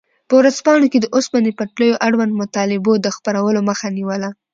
په ورځپاڼو کې د اوسپنې پټلیو اړوند مطالبو د خپرولو مخه نیوله.